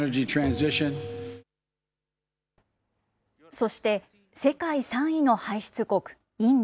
そして、世界３位の排出国、インド。